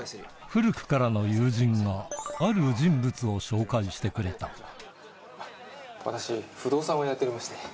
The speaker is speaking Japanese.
古くからの友人がしてくれた私不動産をやっておりまして。